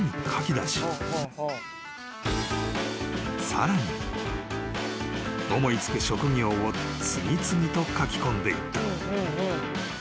［さらに思いつく職業を次々と書き込んでいった］